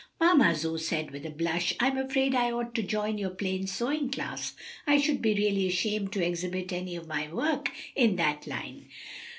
"Mamma," Zoe said, with a blush, "I'm afraid I ought to join your plain sewing class. I should be really ashamed to exhibit any of my work in that line."